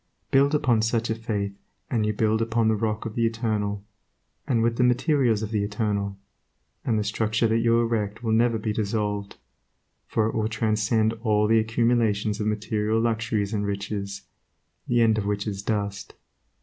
Build upon such a faith, and you build upon the Rock of the Eternal, and with the materials of the Eternal, and the structure that you erect will never be dissolved, for it will transcend all the accumulations of material luxuries and riches, the end of which is dust.